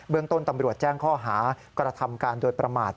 เรื่องต้นตำรวจแจ้งข้อหากระทำการโดยประมาท